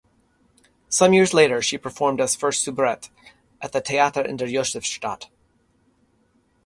Some years later she performed as first soubrette at the Theater in der Josefstadt.